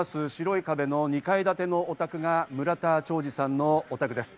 白い壁の２階建てのお宅が村田兆治さんのお宅です。